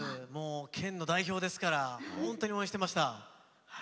県の代表ですから本当に応援してました。